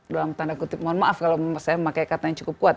dalam tanda kutip mohon maaf kalau saya memakai kata yang cukup kuat